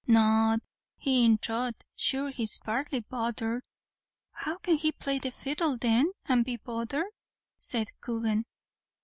"Not he in throth. Sure he's partly bothered." "How can he play the fiddle then, and be bothered?" said Coogan.